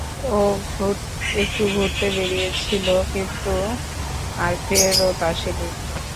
ও একটু ঘুরতে বেড়িয়েছিল, কিন্তু আর ফেরত আসেনি!